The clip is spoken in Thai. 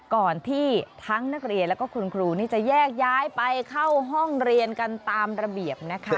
ก่อนที่ทั้งนักเรียนแล้วก็คุณครูนี่จะแยกย้ายไปเข้าห้องเรียนกันตามระเบียบนะคะ